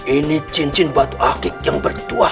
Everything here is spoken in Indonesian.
ini cincin batu akik yang bertuah